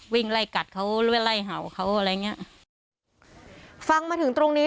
วิ่งไล่กัดเขาไล่เห่าเขาอะไรเงี้ยฟังมาถึงตรงนี้